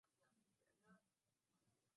Sloth tatu toed huishi na sloth mbili